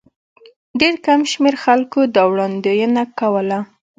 ډېر کم شمېر خلکو دا وړاندوینه کوله.